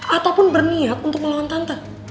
ataupun berniat untuk melawan tante